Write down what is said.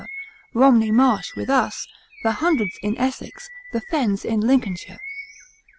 Romney Marsh with us; the Hundreds in Essex, the fens in Lincolnshire.